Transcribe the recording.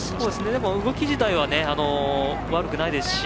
でも動き自体は悪くないですし